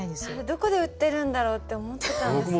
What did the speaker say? どこで売ってるんだろうって思ってたんです。